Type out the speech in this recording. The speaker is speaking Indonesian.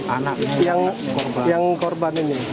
anak yang korban ini